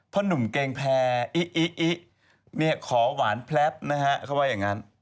เพราะหนุ่มเกงแพร่อิเนี่ยขอหวานแพร๊บนะฮะเขาบอกอย่างงั้น